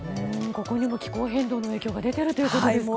ここにも気候変動の影響が出ているんですかね。